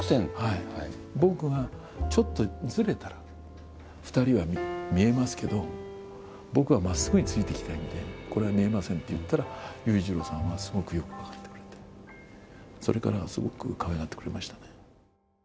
僕がちょっとずれたら、２人は見えますけど、僕はまっすぐついていきたいので、これは見えませんって言ったら、裕次郎さんはすごくよく分かってくれて、それからは、すごくかわいがってくれました。